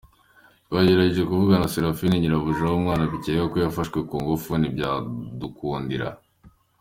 Twagerageje kuvugana na Seraphine, nyirabuja w’ umwana bikekwa ko yafashwe ku ngufu, ntibyadukundira.